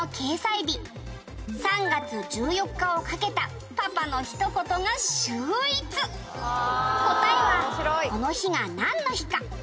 日３月１４日をかけたパパの一言が秀逸」「答えはこの日がなんの日か？」